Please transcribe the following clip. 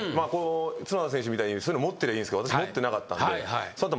角田選手みたいにそういうの持ってりゃいいんすけど私持ってなかったんで。